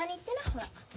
ほら。